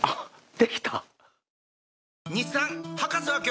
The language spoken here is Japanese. できた！